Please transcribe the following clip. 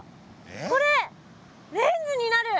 これレンズになる！